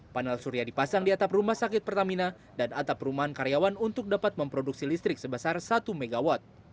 panel surya dipasang di atap rumah sakit pertamina dan atap rumahan karyawan untuk dapat memproduksi listrik sebesar satu mw